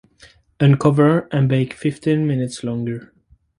uncover and bake fifteen minutes longer.